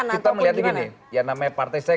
kita melihatnya gini ya namanya partai saya